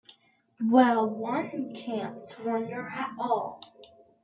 Well, one can’t wonder at it.